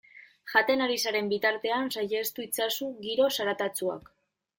Jaten ari zaren bitartean saihestu itzazu giro zaratatsuak.